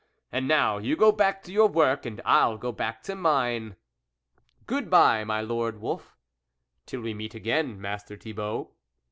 And now you go back to your work, and I'll go back to mine." " Good bye, my lord Wolf." "Till we meet again, Master Thi bault."